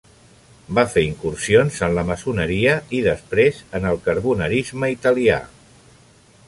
Va fer incursions en la maçoneria i després en el carbonarisme italià.